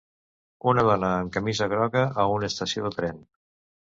Una dona amb camisa groga a una estació de tren.